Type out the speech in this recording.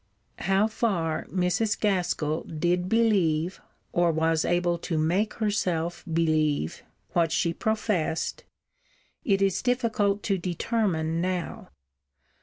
How far Mrs. Gaskell did believe, or was able to make herself believe, what she professed, it is difficult to determine now.